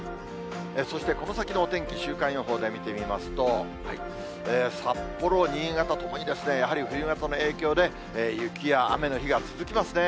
そしてこの先のお天気、週間予報で見てみますと、札幌、新潟ともにですね、やはり冬型の影響で雪や雨の日が続きますね。